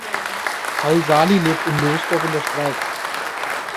Paul Sahli lebt in Lostorf in der Schweiz.